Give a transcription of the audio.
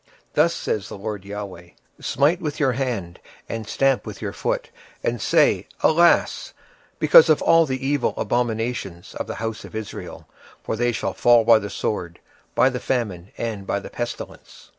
26:006:011 Thus saith the Lord GOD; Smite with thine hand, and stamp with thy foot, and say, Alas for all the evil abominations of the house of Israel! for they shall fall by the sword, by the famine, and by the pestilence.